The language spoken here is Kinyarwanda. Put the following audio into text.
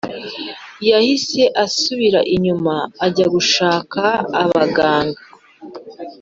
yahise asubira inyuma ajya gushaka abaganga